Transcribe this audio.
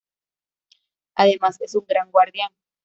Además es un gran guardián.